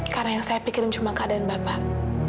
karena yang saya pikirin cuma keadaan bapak